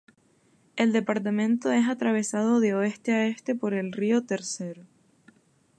El departamento es atravesado de oeste a este por el río Tercero.